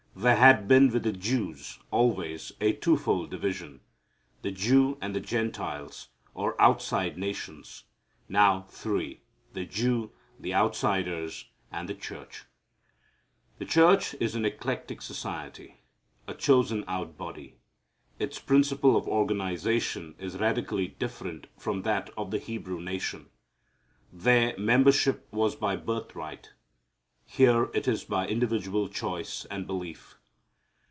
There had been with the Jews, always, a two fold division, the Jew and the Gentiles, or outside nations. Now three, the Jew, the outsiders, and the church. The church is an eclectic society, a chosen out body. Its principle of organization is radically different from that of the Hebrew nation. There membership was by birthright. Here it is by individual choice and belief.